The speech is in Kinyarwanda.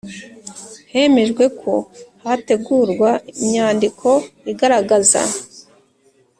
Hemejwe ko hategurwa inyandiko igaragaza